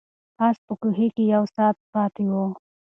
آس په کوهي کې یو ساعت پاتې و.